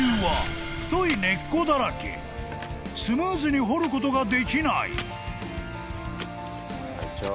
［スムーズに掘ることができない］